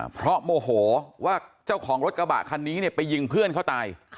เพราะโมโหว่าเจ้าของรถกระบะคันนี้เนี่ยไปยิงเพื่อนเขาตาย